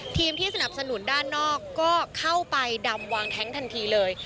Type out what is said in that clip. ที่สนับสนุนด้านนอกก็เข้าไปดำวางแท้งทันทีเลย